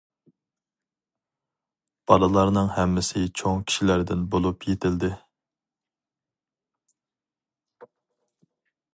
بالىلارنىڭ ھەممىسى چوڭ كىشىلەردىن بولۇپ يېتىلدى.